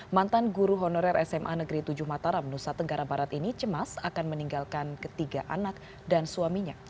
mantan guru honorer sma negeri tujuh mataram nusa tenggara barat ini cemas akan meninggalkan ketiga anak dan suaminya